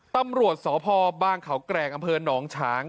ตำรวจสพบเขาแกร่ง